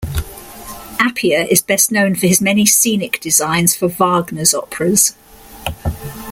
Appia is best known for his many scenic designs for Wagner's operas.